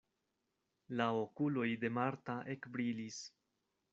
La okuloj de Marta ekbrilis.